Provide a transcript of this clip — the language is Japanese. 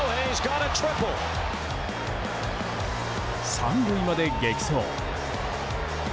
３塁まで激走。